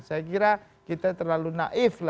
saya kira kita terlalu naif lah